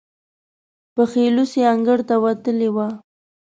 پښې لوڅې انګړ ته وتلې وه.